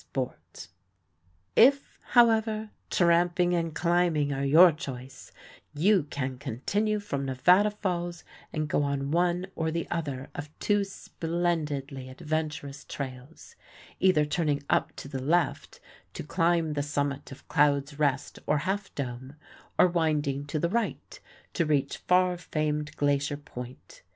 [Illustration: Photograph by A. C. Pillsbury "WINKEY" AT GLACIER POINT] If, however, tramping and climbing are your choice, you can continue from Nevada Falls and go on one or the other of two splendidly adventurous trails either turning up to the left to climb the summit of Cloud's Rest or Half Dome, or winding to the right to reach far famed Glacier Point.